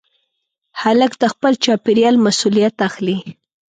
هلک د خپل چاپېریال مسؤلیت اخلي.